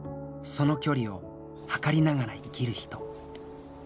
その距離を測りながら生きる人。